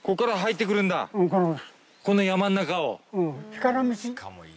この山の中を！